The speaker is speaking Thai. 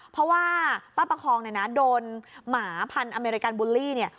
เพราะว่าป้าประคองเนี่ยนะโดนหมาพันธุ์อเมริกันบูลลี่เนี่ย